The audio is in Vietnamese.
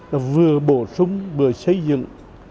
nó vừa bổ sung vừa xây dựng